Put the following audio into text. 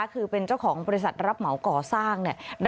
คือเป็นเจ้าของบริษัทรับเหมาก่อสร้าง